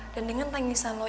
dan dengan tangisan lo